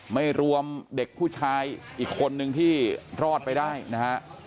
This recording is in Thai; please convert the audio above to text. ไม่รวมเด็กผู้ชายอีกคนนึงที่รอดไปได้นะฮะ